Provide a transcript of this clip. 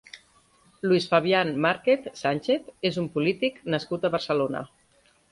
Luis Fabian Marquez Sanchez és un polític nascut a Barcelona.